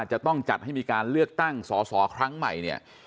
จะต้องจัดให้มีการเลือกตั้งสอสอครั้งใหม่เนี่ย